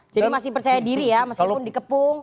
jadi masih percaya diri ya meskipun dikepung